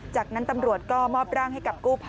จากนั้นตำรวจก็มอบร่างให้กับกู้ภัย